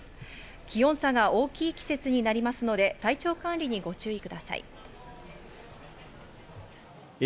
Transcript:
気温差が大きい季節になりますので体調管理にご注意ください。